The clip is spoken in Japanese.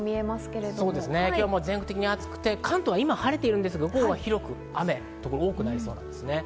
今日は全国的に暑くて、関東は今、晴れているんですが、午後広く雨という所が多くなりそうです。